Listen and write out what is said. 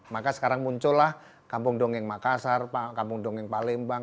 maka sekarang muncullah kampung dongeng makassar kampung dongeng palembang